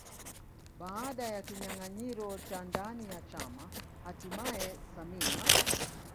Baada ya kinyanganyiro cha ndani ya chama hatimaye samia